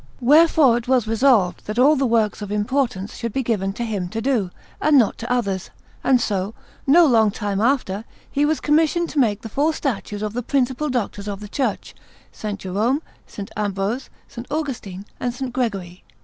Wherefore it was resolved that all the works of importance should be given to him to do, and not to others; and so, no long time after, he was commissioned to make the four statues of the principal Doctors of the Church, S. Jerome, S. Ambrose, S. Augustine, and S. Gregory.